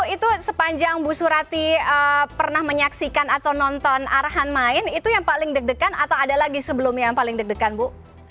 itu sepanjang bu surati pernah menyaksikan atau nonton arahan main itu yang paling deg degan atau ada lagi sebelumnya yang paling deg degan bu